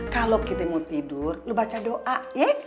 kalau kita mau tidur lo baca doa ye